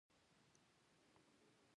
هغوی د بدلون جرئت ونه کړ.